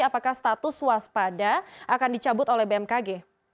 apakah status waspada akan dicabut oleh bmkg